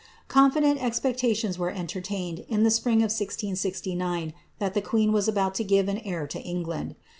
Confident expectations were entertained, in the spring of 1669, that the queen was about to give an heir ti> £ii|rland.